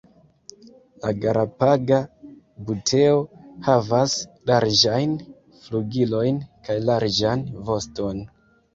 La Galapaga buteo havas larĝajn flugilojn kaj larĝan voston.